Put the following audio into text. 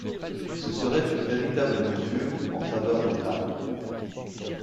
Ce serait une véritable mesure en faveur des femmes.